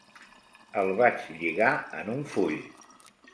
El vaig lligar en un full!